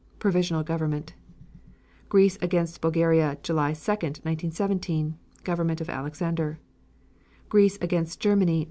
(Provisional Government.) Greece against Bulgaria, July 2, 1917. (Government of Alexander.) Greece against Germany, Nov.